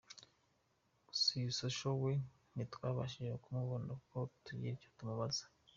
Gusa uyu Social we ntitwabashije kumubona ngo tugire icyo tumubaza.